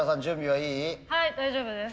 はい大丈夫です。